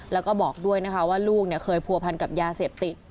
แล้วก็บอกด้วยนะคะว่าลูกเคยผัวพันกับยาเสพติด